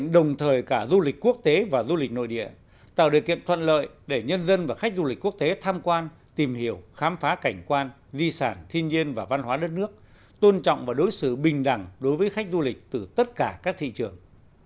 đồng thời cả du lịch quốc tế và du lịch nội địa tạo điều kiện thuận lợi để nhân dân và khách du lịch quốc tế tham quan tìm hiểu khám phá cảnh quan di sản thiên nhiên và văn hóa đất nước tôn trọng và đối xử bình đẳng đối với khách du lịch từ tất cả các thị trường